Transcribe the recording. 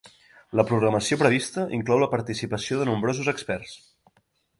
La programació prevista inclou la participació de nombrosos experts.